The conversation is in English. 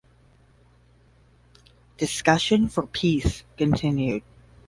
Discussion for peace continued.